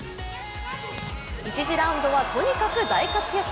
１次ラウンドはとにかく大活躍。